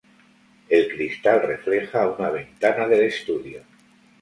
El cristal refleja una ventana del estudio.